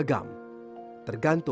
tergantung dari kemampuan fitur